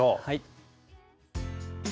はい。